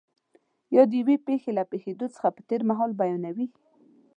یا د یوې پېښې له پېښېدو څخه په تېر مهال بیانوي.